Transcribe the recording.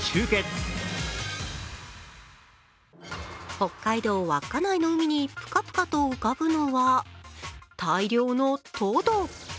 北海道・稚内の海にポカポカと浮かぶのは大量のトド。